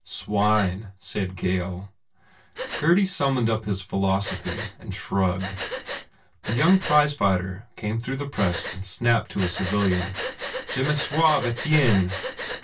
"Swine," said Gail. Gurdy summoned up his philosophy and shrugged. The young prize fighter came through 112 MARGOT the press and snapped to a civilian, "Je me sauve, Etienne